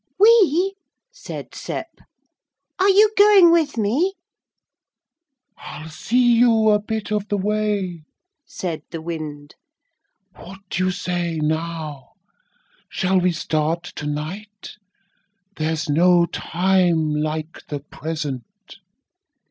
'We?' said Sep. 'Are you going with me?' 'I'll see you a bit of the way,' said the wind. 'What do you say now? Shall we start to night? There's no time like the present.'